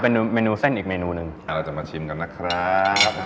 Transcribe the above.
เป็นเมนูเส้นอีกเมนูหนึ่งเราจะมาชิมกันนะครับ